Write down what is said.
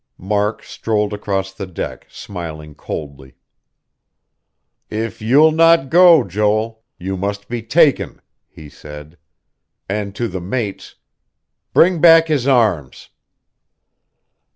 Mark strolled across the deck, smiling coldly. "If you'll not go, Joel, you must be taken," he said. And to the mates: "Bring back his arms."